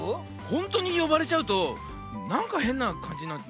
ほんとうによばれちゃうとなんかへんなかんじになるね。